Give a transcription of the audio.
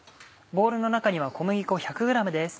ボウルの中には小麦粉１００ｇです。